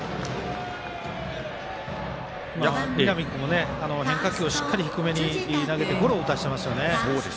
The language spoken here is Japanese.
南君も変化球をしっかり低めに投げてゴロを打たせていますよね。